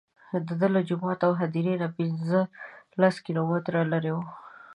دده له جومات او هدیرې نه پنځه لس کیلومتره لرې وه.